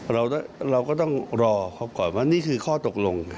เราก็ต้องรอเขาก่อนว่านี่คือข้อตกลง